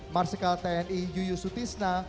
marsikal tni yuyusutisna